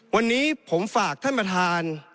วันนี้ผมฝากท่านประธาน